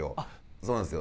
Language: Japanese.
そうなんですよ。